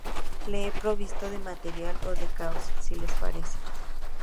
Le he provisto del material o del caos, si les parece.